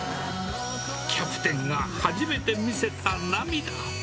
キャプテンが初めて見せた涙。